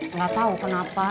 nggak tau kenapa